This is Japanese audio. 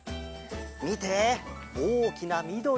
みておおきなみどりのき！